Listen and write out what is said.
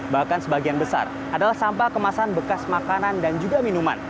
bahkan sebagian besar adalah sampah kemasan bekas makanan dan juga minuman